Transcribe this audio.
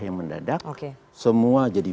yang mendadak semua jadi